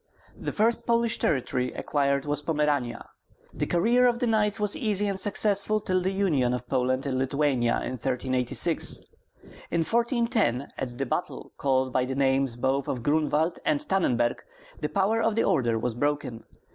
The first Polish territory acquired was Pomerania. The career of the knights was easy and successful till the union of Poland and Lithuania in 1386. In 1410, at the battle called by the names both of Grünwald and Tannenberg, the power of the order was broken.